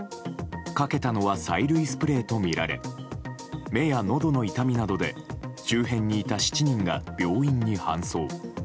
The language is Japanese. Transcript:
かけたのは催涙スプレーとみられ目や、のどの痛みなどで周辺にいた７人が病院に搬送。